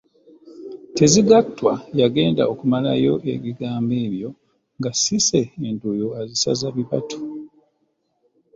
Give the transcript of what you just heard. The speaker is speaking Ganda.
Tezigattwa yagenda okumalayo ebigambo ebyo nga Cissy entuuyo azisaza bibatu.